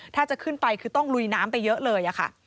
ถ้าจะขึ้นไปคือต้องลุยน้ำไปเยอะเลยค่ะ